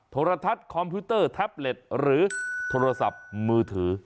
โทรทัศน์คอมพิวเตอร์แท็บเล็ตหรือโทรศัพท์มือถือ